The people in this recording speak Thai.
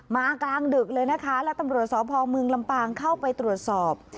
กลางดึกเลยนะคะและตำรวจสพเมืองลำปางเข้าไปตรวจสอบ